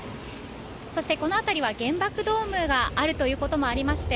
そしてこの辺りは、原爆ドームがあるということもありまして